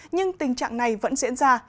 nhưng tình trạng này vẫn diễn ra